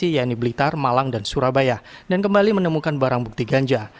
commander kondisi yang di belitar malang dan surabaya dan kembali menemukan barang bukti ganja